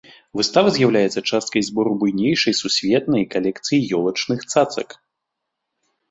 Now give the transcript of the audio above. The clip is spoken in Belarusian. Выстава з'яўляецца часткай збору буйнейшай сусветнай калекцыі ёлачных цацак.